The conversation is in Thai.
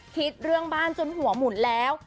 คิดเรื่องบ้านจนหัวหมุนแล้ว